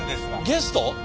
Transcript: ゲスト！